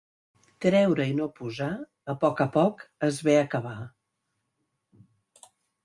Treure i no posar, a poc a poc es ve a acabar.